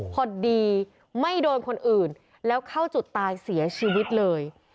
พอดีไม่โดนคนอื่นแล้วเข้าจุดตายเสียชีวิตเลย